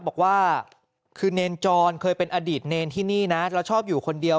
บอกว่าคือเนรจรเคยเป็นอดีตเนรที่นี่นะแล้วชอบอยู่คนเดียว